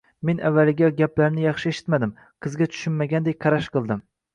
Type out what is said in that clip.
Men avvaliga gaplarini yaxshi eshitmadim. Qizga tushunmagandek qarash qildim.